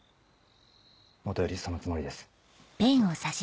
もとよりそのつもりです。